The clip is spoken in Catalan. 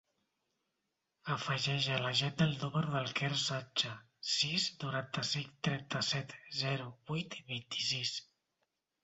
Afegeix a l'agenda el número del Quer Sancha: sis, noranta-cinc, trenta-set, zero, vuit, vint-i-sis.